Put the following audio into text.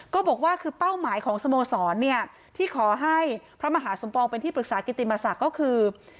ก็บอกว่าคือเป้าหมายของสโมสรเนี่ยที่ขอให้พระมหาสมปองเป็นที่ปรึกษากิติมศักดิ์ก็คือ